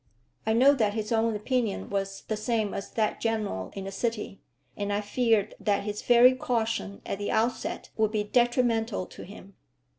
I know that his own opinion was the same as that general in the city, and I feared that his very caution at the outset would be detrimental to him.